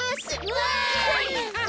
わい！